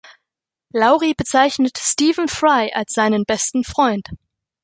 Laurie bezeichnet Stephen Fry als seinen besten Freund.